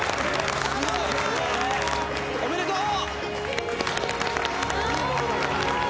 おめでとう！